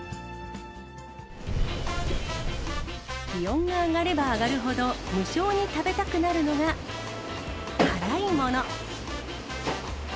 気温が上がれば上がるほど、無性に食べたくなるのが、辛いもの。